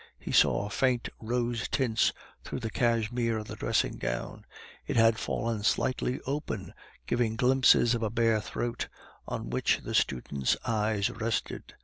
He saw faint rose tints through the cashmere of the dressing gown; it had fallen slightly open, giving glimpses of a bare throat, on which the student's eyes rested.